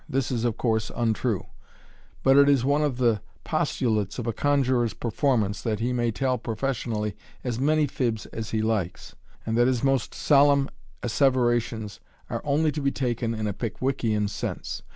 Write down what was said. This is, of course, untrue ; but it is one of the postulates of a conjuror's performance that he may tell profession ally as many fibs as he likes, and that his most solemn asseverations are only to be taken in a Pickwickian sense.